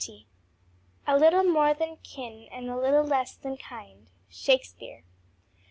"A little more than kin and a little less than kind." _Shakespeare.